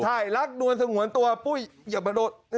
ใช่รักน้วนสงวนตัวอย่ามาโดด